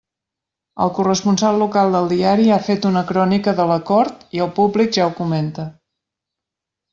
El corresponsal local del diari ha fet una crònica de l'acord i el públic ja ho comenta.